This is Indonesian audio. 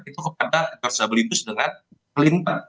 itu kepada george w bush dengan kelimpah